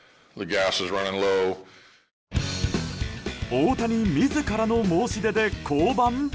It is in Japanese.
大谷自らの申し出で降板？